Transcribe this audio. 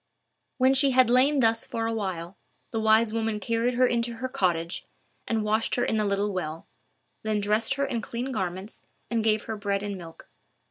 When she had lain thus for a while, the wise woman carried her into her cottage, and washed her in the little well; then dressed her in clean garments, and gave her bread and milk.